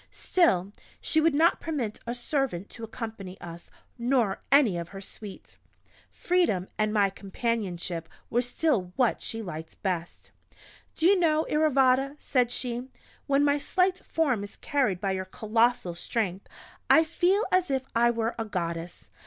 Still she would not permit a servant to accompany us, nor any of her suite. Freedom, and my companionship were still what she liked best. "Do you know, Iravata," said she, "when my slight form is carried by your colossal strength, I feel as if I were a Goddess!